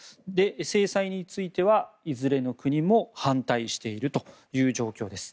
制裁については、いずれの国も反対しているという状況です。